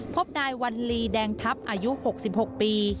พบนายวัลลีแดงทัพอายุ๖๖ปี